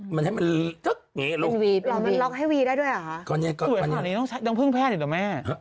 พี่มดแต่ก่อนทุกอาทิตย์มันเยอะไปไหม